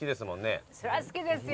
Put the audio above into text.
そりゃ好きですよ